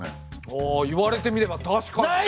ああ言われてみれば確かに。